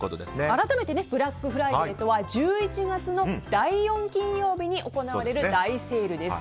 改めてブラックフライデーとは１１月の第４金曜日に行われる大セールです。